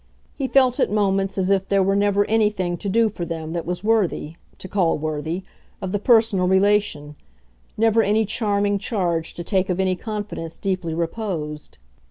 He felt at moments as if there were never anything to do for them that was worthy to call worthy of the personal relation; never any charming charge to take of any confidence deeply reposed.